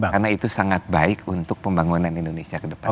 karena itu sangat baik untuk pembangunan indonesia ke depan